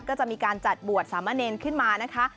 ก็จะมีการจัดบวชสามเณรขึ้นมานะคะ